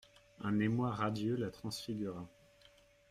Un émoi radieux la transfigura.